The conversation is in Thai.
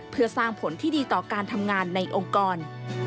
เพื่อสร้างผลที่ดีต่อการทำงานในองค์กร